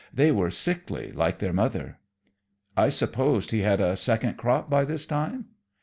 They were sickly, like their mother." "I supposed he had a second crop by this time!"